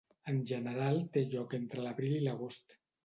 En general, té lloc entre l'abril i l'agost.